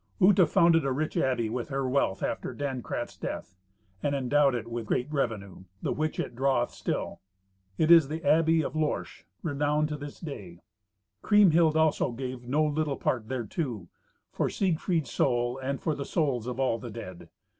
Uta founded a rich abbey with her wealth after Dankrat's death, and endowed it with great revenue, the which it draweth still. It is the Abbey of Lorsch, renowned to this day. Kriemhild also gave no little part thereto, for Siegfried's soul, and for the souls of all the dead.